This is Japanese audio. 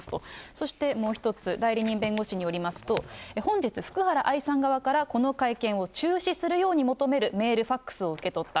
そしてもう１つ、代理人弁護士によりますと、本日、福原愛さん側から、この会見を中止するように求めるメール、ファックスを受け取った。